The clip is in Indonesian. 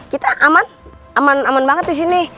kita aman aman aman banget disini